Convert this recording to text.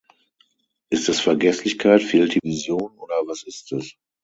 Ist es Vergeßlichkeit, fehlt die Vision oder was ist es?